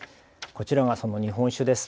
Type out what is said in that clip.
こちらがその日本酒です。